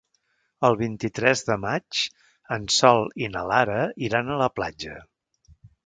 El vint-i-tres de maig en Sol i na Lara iran a la platja.